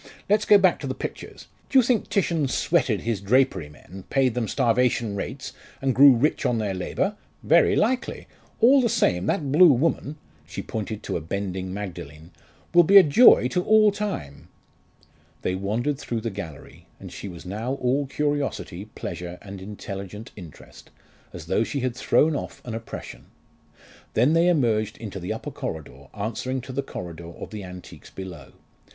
Let's go back to the pictures. Do you think Titian 'sweated' his drapery men paid them starvation rates, and grew rich on their labour? Very likely. All the same, that blue woman" she pointed to a bending Magdalen "will be a joy to all time." They wandered through the gallery, and she was now all curiosity, pleasure, and intelligent interest, as though she had thrown off an oppression. Then they emerged into the upper corridor answering to the corridor of the antiques below.